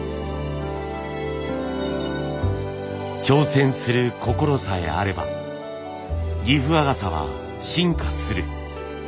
挑戦する心さえあれば岐阜和傘は進化する。